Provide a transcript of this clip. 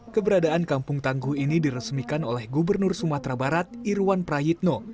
keberadaan kampung tangguh ini diresmikan oleh gubernur sumatera barat irwan prayitno